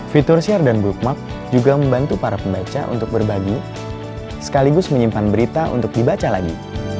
fitur share dan bluemak juga membantu para pembaca untuk berbagi sekaligus menyimpan berita untuk dibaca lagi